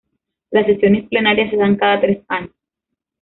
Las sesiones plenarias se dan cada tres años.